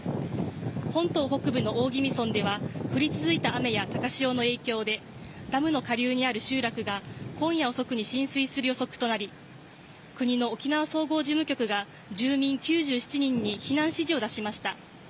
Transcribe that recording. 本島北部の大宜味村では降り続いた雨や高潮の影響でダムの下流にある集落が今夜遅くに浸水する予測となり国の沖縄総合事務局が住民９７人に避難指示を出しました。